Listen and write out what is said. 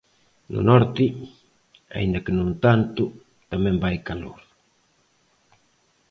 No norte, aínda que non tanto, tamén vai calor.